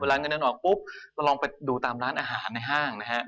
ร้านเงินออกปุ๊บเราลองไปดูตามร้านอาหารในห้างนะครับ